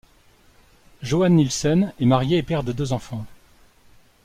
Jóanes Nielsen est marié et père de deux enfants.